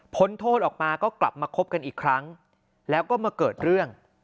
โทษออกมาก็กลับมาคบกันอีกครั้งแล้วก็มาเกิดเรื่อง